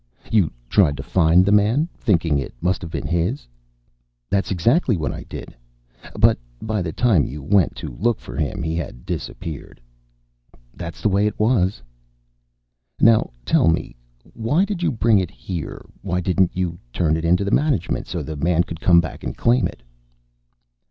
"You tried to find the man, thinking it must have been his." "That's exactly what I did." "But by the time you went to look for him, he had disappeared." "That's the way it was." "Now tell me why did you bring it here? Why didn't you turn it in to the management so the man could come back and claim it?"